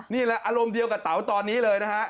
นี่แหละอารมณ์เดียวกับเต๋าตอนนี้เลยนะฮะ